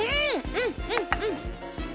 うんうんうん。